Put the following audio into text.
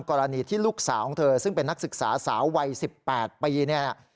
กรณีที่ลูกสาวของเธอซึ่งเป็นนักศึกษาสาววัย๑๘ปีเนี่ย